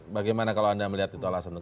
bagaimana kalau anda melihat itu alasan untuk